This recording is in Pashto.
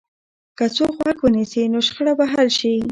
که څوک غوږ ونیسي، نو شخړه به حل شي.